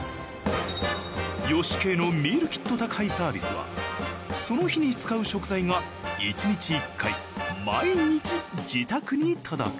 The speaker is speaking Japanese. ヨシケイのミールキット宅配サービスはその日に使う食材が１日１回毎日自宅に届く。